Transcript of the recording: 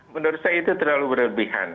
menurut saya itu terlalu berlebihan